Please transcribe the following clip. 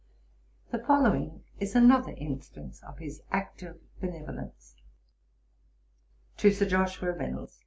The following is another instance of his active benevolence: 'To SIR JOSHUA REYNOLDS.